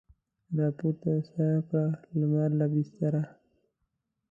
راپورته سر کړ لمر له بستره